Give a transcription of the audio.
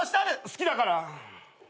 好きだから。